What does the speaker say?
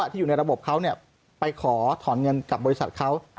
ที่อยู่ในระบบเขาไปขอถอนเงินกับบริษัทเขา